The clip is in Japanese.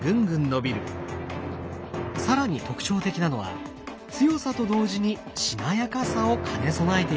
更に特徴的なのは強さと同時にしなやかさを兼ね備えていること。